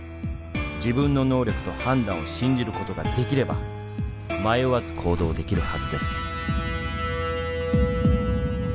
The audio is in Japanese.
自分の能力と判断を信じることができれば迷わず行動できるはずです」。